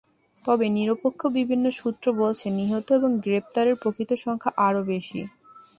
তবে নিরপেক্ষ বিভিন্ন সূত্র বলছে, নিহত এবং গ্রেপ্তারের প্রকৃত সংখ্যা আরও বেশি।